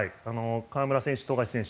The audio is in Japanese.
河村選手、富樫選手